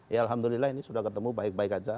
ya alhamdulillah ini sudah ketemu baik baik saja